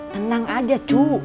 tenang aja cu